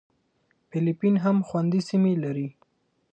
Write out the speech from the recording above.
فېلېپین هم خوندي سیمې لري.